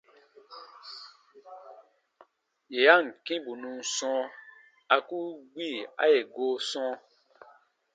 Yè a ǹ kĩ bù nun sɔ̃, a ku gbi a yè goo sɔ̃.